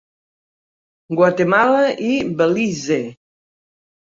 Guatemala i Belize.